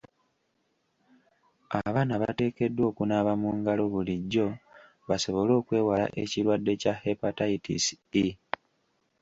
Abaana bateekeddwa okunaaba mu ngalo bulijjo basobole okwewala ekirwadde kya Hepatitis E.